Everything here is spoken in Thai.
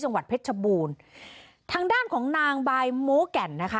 จังหวัดเพชรชบูรณ์ทางด้านของนางบายโม้แก่นนะคะ